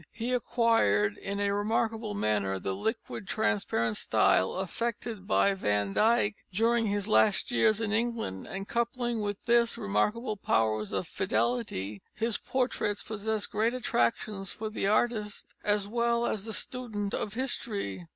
He acquired in a remarkable manner the liquid and transparent style affected by Van Dyck during his last years in England, and coupling with this remarkable powers of fidelity, his portraits possess great attractions for the artist as well as the student of history.